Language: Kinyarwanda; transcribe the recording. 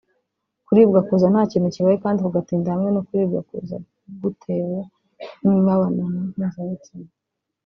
kuribwa kuza ntakintu kibaye kandi kugatinda hamwe no kuribwa kuza gutewe n’imibonano mpuzabitsina